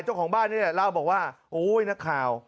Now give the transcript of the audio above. เจ้าของบ้านเนี่ยเล่าบอกว่าโอ๊ยนักข่าว